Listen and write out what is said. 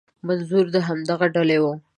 منظور همدغه ډله وي.